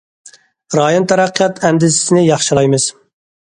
رايون تەرەققىيات ئەندىزىسىنى ياخشىلايمىز.